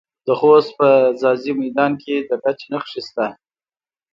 د خوست په ځاځي میدان کې د ګچ نښې شته.